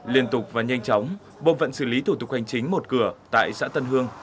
liên tục và nhanh chóng bộ phận xử lý thủ tục hành chính một cửa tại xã tân hương